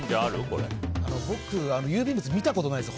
僕、郵便物見たことないです